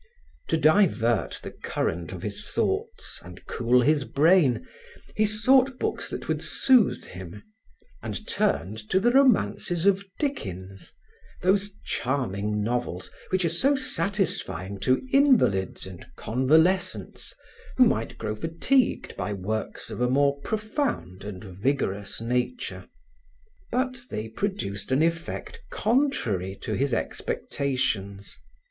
To divert the current of his thoughts and cool his brain, he sought books that would soothe him and turned to the romances of Dickens, those charming novels which are so satisfying to invalids and convalescents who might grow fatigued by works of a more profound and vigorous nature. But they produced an effect contrary to his expectations.